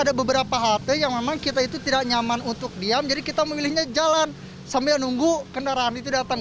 ada beberapa halte yang memang kita itu tidak nyaman untuk diam jadi kita memilihnya jalan sambil menunggu kendaraan itu datang